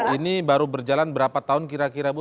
ini baru berjalan berapa tahun kira kira bu